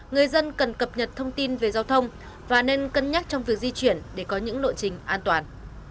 người dân cần cập nhật thông tin về giao thông và nên cân nhắc trong việc di chuyển để có những lộ trình an toàn